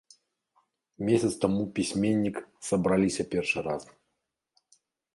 Месяц таму пісьменнік сабраліся першы раз.